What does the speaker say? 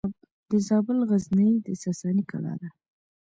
د زابل غزنیې د ساساني کلا ده